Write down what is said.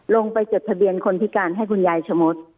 จดทะเบียนคนพิการให้คุณยายชะมด